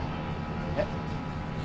えっ？